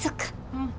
うん。